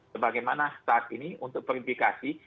sebagaimana saat ini untuk verifikasi